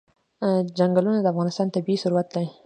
چنګلونه د افغانستان طبعي ثروت دی.